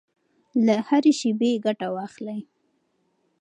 له هرې شېبې ګټه واخلئ.